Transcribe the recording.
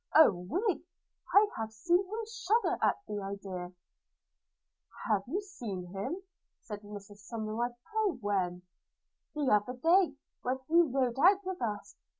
– A wig! I have seen him shudder at the idea.' 'You have seen him!' said Mrs Somerive: 'pray when?' 'The other day, when he rode out with us.